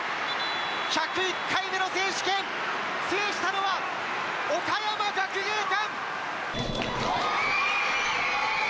１０１回目の選手権、制したのは、岡山学芸館。